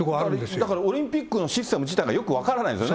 だからオリンピックのシステム自体がよく分からないんですよね。